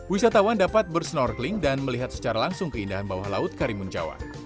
wisatawan dapat bersnorkeling dan melihat secara langsung keindahan bawah laut karimun jawa